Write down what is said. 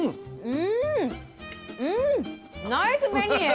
うんうんナイスベニエ！